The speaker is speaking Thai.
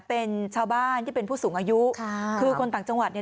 เป็นชาวบ้านที่เป็นผู้สูงอายุค่ะคือคนต่างจังหวัดเนี่ย